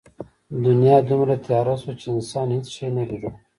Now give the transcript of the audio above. دنیا دومره تیاره شوه چې انسان هېڅ شی نه لیدل.